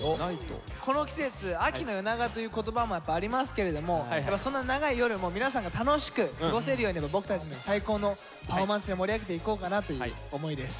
この季節「秋の夜長」という言葉もやっぱありますけれどもそんな長い夜も皆さんが楽しく過ごせるように僕たちの最高のパフォーマンスで盛り上げていこうかなという思いです。